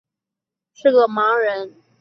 他的父亲瞽叟是个盲人。